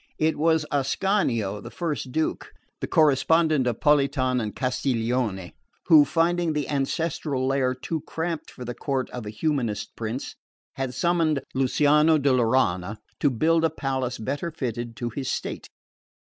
It was Ascanio, the first Duke, the correspondent of Politian and Castiglione, who, finding the ancestral lair too cramped for the court of a humanist prince, had summoned Luciano da Laurana to build a palace better fitted to his state.